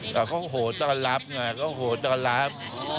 เขาโหต้อนรับไงเขาโหต้อนรับ